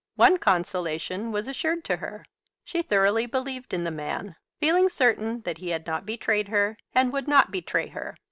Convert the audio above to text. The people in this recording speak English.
One consolation was assured to her. She thoroughly believed in the man, feeling certain that he had not betrayed her, and would not betray her.